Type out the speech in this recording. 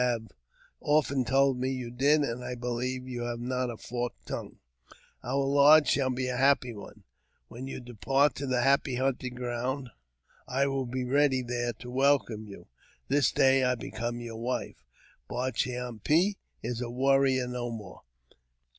have often told me you did, and I believe you have not a forked tongue. Our lodge shall be a ppy one ; and when you depart to the happy hunting ground, 832 A UTOBIOGBAPHY OF I will be already there to welcome you. This day I become yom wife — Bar chee am pe is a warrior no more."